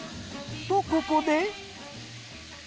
とここで。